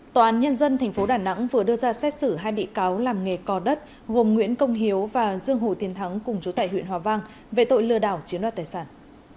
tòa án nhân dân tp đà nẵng vừa đưa ra xét xử hai bị cáo làm nghề co đất gồm nguyễn công hiếu và dương hồ tiến thắng cùng chủ tại huyện hòa vang về tội lừa đảo chiếm đoạt tài sản